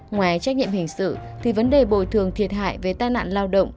ngoài trách nhiệm hình sự thì vấn đề bồi thường thiệt hại về tai nạn lao động